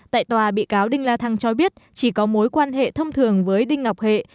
tại tòa bị cáo đinh la thăng cho biết chỉ có mối quan hệ thông thường với đinh ngọc hệ